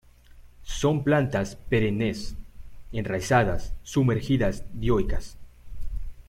Son plantas perennes, enraizadas sumergidas, dioicas.